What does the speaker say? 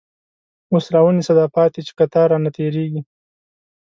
اوس را ونیسه دا پاتی، چه قطار رانه تیریږی